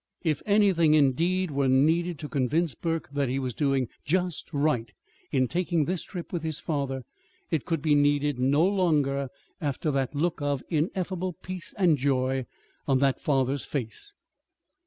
If anything, indeed, were needed to convince Burke that he was doing just right in taking this trip with his father, it could be needed no longer after the look of ineffable peace and joy on that father's face.